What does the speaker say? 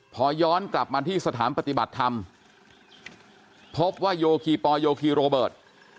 พอย้อนกลับมาที่สถานปฏิบัติธรรมพบว่าโยคีปอลโยคีโรเบิร์ต